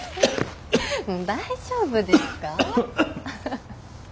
もう大丈夫ですか？